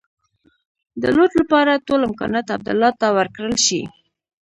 د لوټ لپاره ټول امکانات عبدالله ته ورکړل شي.